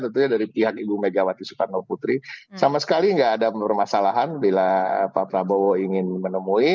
tentunya dari pihak ibu megawati soekarno putri sama sekali nggak ada permasalahan bila pak prabowo ingin menemui